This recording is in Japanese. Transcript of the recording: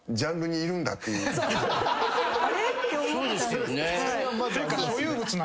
あれ？って思ってたんですけど。